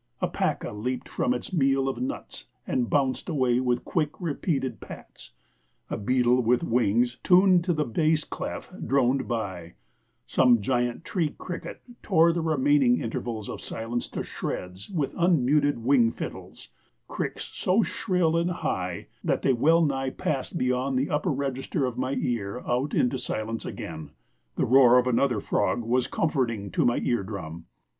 A paca leaped from its meal of nuts and bounced away with quick, repeated pats; a beetle with wings tuned to the bass clef droned by; some giant tree cricket tore the remaining intervals of silence to shreds with unmuted wing fiddles, cricks so shrill and high that they well nigh passed beyond the upper register of my ear out into silence again. The roar of another frog was comforting to my ear drum.